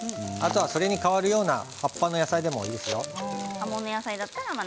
それに代わるような葉っぱの野菜でもいいですよ。